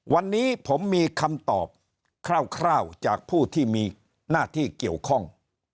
วันนี้ผมมีคำตอบคร่าวจากผู้ที่มีหน้าที่เกี่ยวข้อง